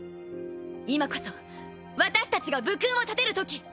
今こそ私たちが武勲を立てるとき。